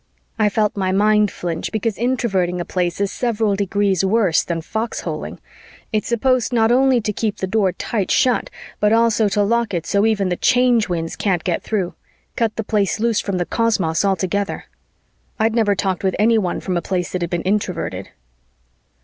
I felt my mind flinch, because Introverting a Place is several degrees worse than foxholing. It's supposed not only to keep the Door tight shut, but also to lock it so even the Change Winds can't get through cut the Place loose from the cosmos altogether. I'd never talked with anyone from a Place that had been Introverted.